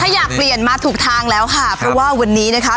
ถ้าอยากเปลี่ยนมาถูกทางแล้วค่ะเพราะว่าวันนี้นะคะ